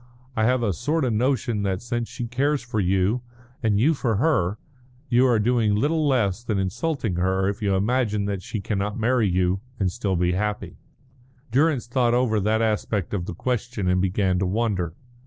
I have a sort of notion that since she cares for you and you for her, you are doing little less than insulting her if you imagine that she cannot marry you and still be happy." Durrance thought over that aspect of the question, and began to wonder.